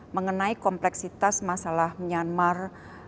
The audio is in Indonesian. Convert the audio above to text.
mengenai kompleksitas masalah myanmar